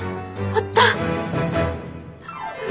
あった！